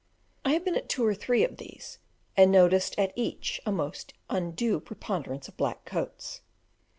I have been at two or three of these, and noticed at each a most undue preponderance of black coats.